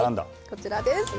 こちらです。